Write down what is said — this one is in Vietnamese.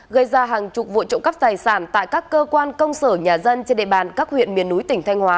gây ra hàng chục vụ trộm cắp tài sản tại các cơ quan công sở nhà dân trên địa bàn các huyện miền núi tỉnh thanh hóa